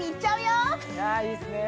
あいいっすね